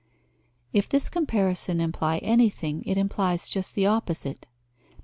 If this comparison imply anything, it implies just the opposite.